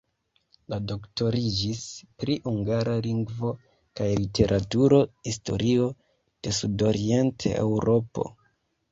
Li doktoriĝis pri hungara lingvo kaj literaturo, historio de Sudorient-Eŭropo.